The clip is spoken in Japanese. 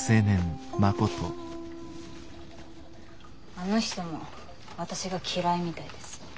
あの人も私が嫌いみたいです。